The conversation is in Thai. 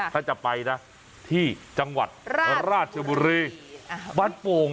ถ้าจะไปนะที่จังหวัดราชบุรีบ้านโป่ง